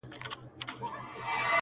په یوه لیدو په زړه باندي خوږ من سو،